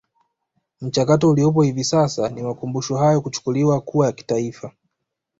Mchakato uliopo hivi sasa ni Makumbusho hayo kuchukuliwa kuwa ya Kitaifa